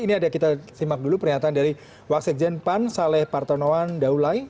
ini ada kita simak dulu pernyataan dari waksek jen pan saleh partonawan daulai